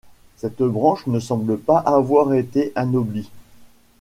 Cette branche ne semble pas avoir été anoblie.